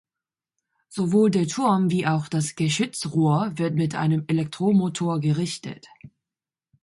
Sowohl der Turm wie auch das Geschützrohr wird mit einem Elektromotor gerichtet.